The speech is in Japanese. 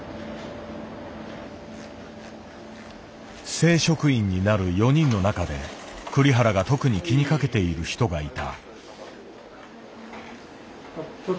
正職員になる４人の中で栗原が特に気にかけている人がいた。